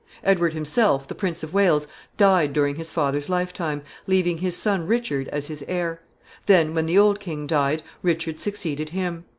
Edward himself, the Prince of Wales, died during his father's lifetime, leaving his son Richard as his heir. Then, when the old king died, Richard succeeded him.